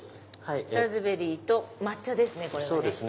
ラズベリーと抹茶ですね。